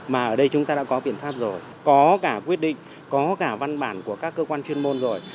mà ở đây chúng ta đã có biện pháp rồi có cả quyết định có cả văn bản của các cơ quan chuyên môn rồi